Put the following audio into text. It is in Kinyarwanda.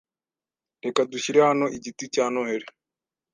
Reka dushyire hano igiti cya Noheri.